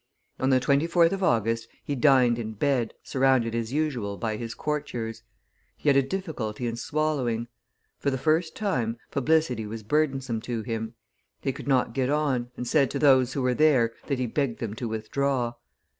On the 24th of August he dined in bed, surrounded as usual by his courtiers; he had a difficulty in swallowing; for the first time, publicity was burdensome to him; he could not get on, and said to those who were there that he begged them to withdraw.